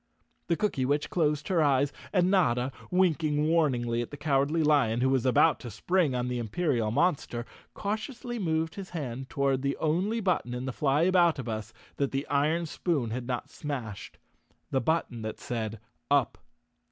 The Cooky witch closed her eyes and Notta, winking warningly at the Cowardly Lion, who was about to 216 _ Chapter Sixteen spring on the Imperial monster, cautiously moved his hand toward the only button in the Flyaboutabus that the iron spoon had not smashed—the button that said "Up!"